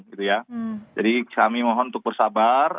jadi kami mohon untuk bersabar